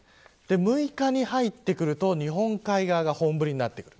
６日に入ってくると日本海側が本降りになってくる。